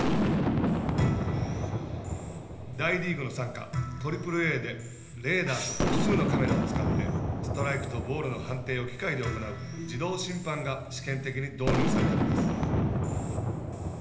大リーグの傘下３Ａでレーダーと複数のカメラを使ってストライクとボールの判定を機械で行う自動審判が試験的に導入されたのです。